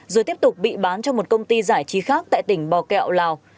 rồi tiếp tục bị bán cho một công ty giải trí khác tại tỉnh bò kẹo lào